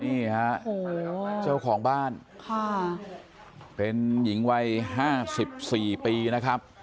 นี่ฮะเจ้าของบ้านเป็นหญิงวัย๕๔ปีนะครับ